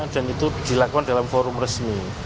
dan itu dilakukan dalam forum resmi